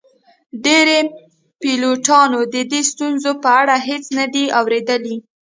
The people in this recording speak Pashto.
ډیری پیلوټانو د دې ستونزو په اړه هیڅ نه دي اوریدلي